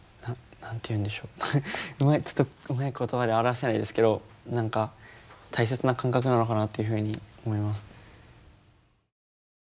ちょっとうまい言葉で表せないですけど何か大切な感覚なのかなっていうふうに思います。